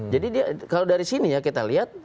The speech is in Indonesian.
jadi kalau dari sini ya kita lihat